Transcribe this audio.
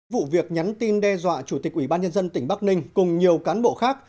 vụ việc nhắn tin đe dọa chủ tịch ủy ban nhân dân tỉnh bắc ninh cùng nhiều cán bộ khác